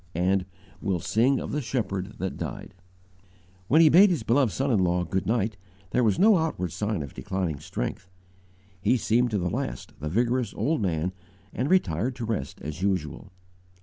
and "We'll sing of the Shepherd that died." When he bade his beloved son in law "good night," there was no outward sign of declining strength. He seemed to the last the vigorous old man, and retired to rest as usual.